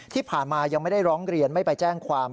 ที่ผ่านมายังไม่ได้ร้องเรียนไม่ไปแจ้งความ